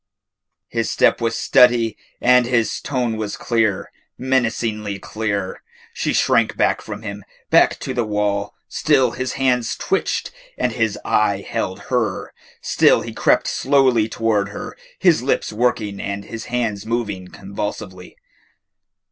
His step was steady and his tone was clear, menacingly clear. She shrank back from him, back to the wall. Still his hands twitched and his eye held her. Still he crept slowly towards her, his lips working and his hands moving convulsively.